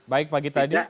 baik pak gita adi